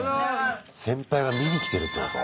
先輩が見に来てるってこと？